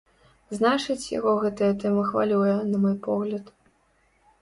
Значыць, яго гэтая тэма хвалюе, на мой погляд.